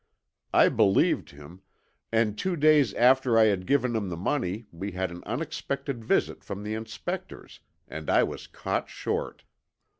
I believed him, and two days after I had given him the money we had an unexpected visit from the inspectors, and I was caught short.